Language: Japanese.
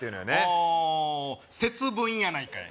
おお節分やないかい